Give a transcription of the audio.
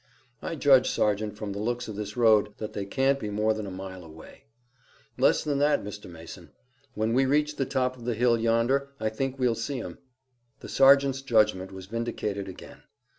"I judge, Sergeant, from the looks of this road, that they can't now be more than a mile away." "Less than that, Mr. Mason. When we reach the top of the hill yonder I think we'll see 'em." The sergeant's judgment was vindicated again.